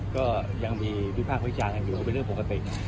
ก็ยังมีวิภาควิชาอยู่เป็นเรื่องปกติ